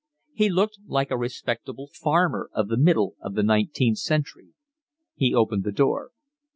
He looked like a respectable farmer of the middle of the nineteenth century. He opened the door.